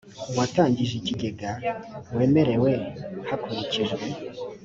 uwatangije ikigega wemerewe hakurikijwe